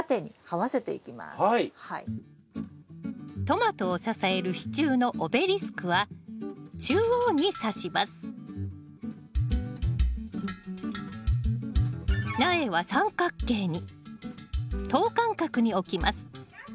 トマトを支える支柱のオベリスクは中央にさします苗は三角形に等間隔に置きます